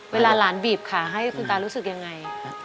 เวลาหลานบีบขาให้คุณตารู้สึกยังไง